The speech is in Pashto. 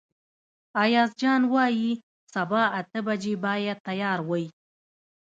ایاز جان وايي سبا اته بجې باید تیار وئ.